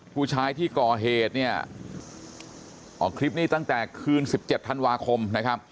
ผู้ชายที่ก่อเหตุเนี่ยออกคลิปนี้ตั้งแต่คืน๑๗ธันวาคมนะครับ